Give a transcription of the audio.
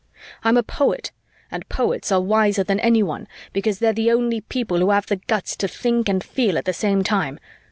I'm a poet and poets are wiser than anyone because they're the only people who have the guts to think and feel at the same time.